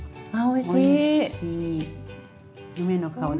おいしい。